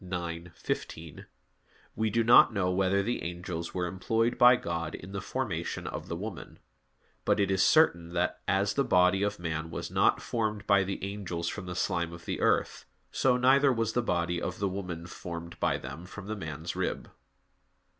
ix, 15), we do not know whether the angels were employed by God in the formation of the woman; but it is certain that, as the body of man was not formed by the angels from the slime of the earth, so neither was the body of the woman formed by them from the man's rib.